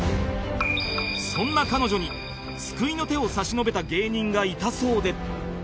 そんな彼女に救いの手を差し伸べた芸人がいたそうで